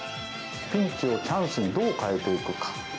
ピンチをチャンスにどう変えていくか。